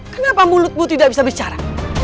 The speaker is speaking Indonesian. kenapa mulutmu tidak bisa bicara